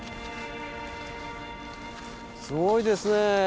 すごいですね